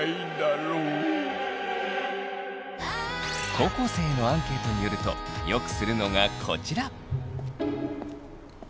高校生へのアンケートによるとよくするのがこちら。